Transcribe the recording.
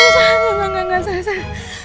salah enggak enggak enggak sal